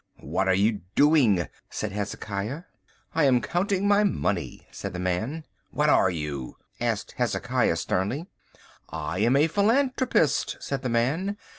"What are you doing?" said Hezekiah. "I am counting my money," said the man. "What are you?" asked Hezekiah sternly. "I am a philanthropist," said the man.